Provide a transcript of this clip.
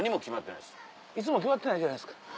いつも決まってないじゃないですか。